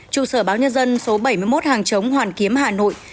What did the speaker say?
trụ sở báo nhân dân số bảy mươi một hàng chống hoàn kiếm hà nội